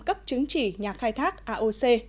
cấp chứng chỉ nhà khai thác aoc